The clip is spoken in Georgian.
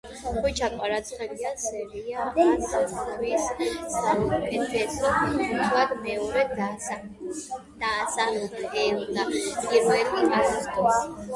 ხვიჩა კვარაცხელია სერია ა-ს თვის საუკეთესო ფეხბურთელად მეორედ დასახელდა პირველად აგვისტოში.